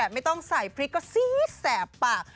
ไม่ต้องใส่พริกก็ซีดแสบปาก